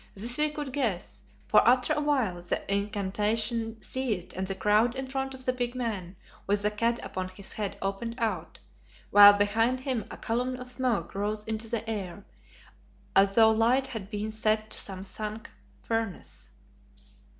This we could guess, for after awhile the incantation ceased and the crowd in front of the big man with the cat upon his head opened out, while behind him a column of smoke rose into the air, as though light had been set to some sunk furnace.